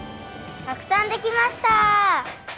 たくさんできました！